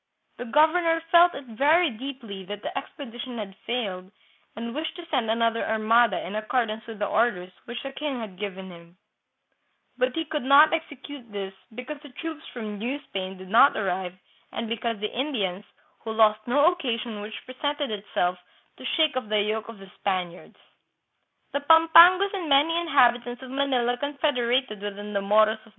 The governor felt it very deeply that the expedition had failed, and wished to send another armada in accordance with the orders which the king had given him; but he could not execute this because the troops from New Spain did not arrive, and because of the Indians, who lost no occasion which presented itself to shake off the yoke of the Spaniards. " The Pampangos and many inhabitants of Manila con federated with the Moros of